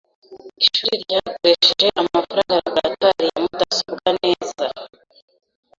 Ishuri ryakoresheje amafaranga ya laboratoire ya mudasobwa neza.